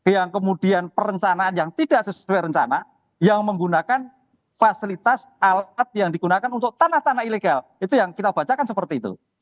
yang kemudian perencanaan yang tidak sesuai rencana yang menggunakan fasilitas alat yang digunakan untuk tanah tanah ilegal itu yang kita bacakan seperti itu